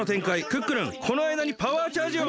クックルンこのあいだにパワーチャージを！